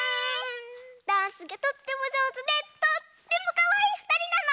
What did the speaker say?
ダンスがとってもじょうずでとってもかわいいふたりなの。